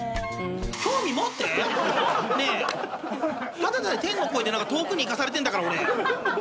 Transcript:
ただでさえ天の声で遠くに行かされてんだから俺。